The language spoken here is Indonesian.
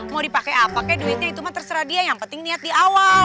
mau dipakai apa kayak duitnya itu mah terserah dia yang penting niat di awal